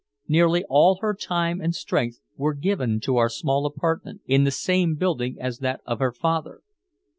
Nearly all her time and strength were given to our small apartment, in the same building as that of her father.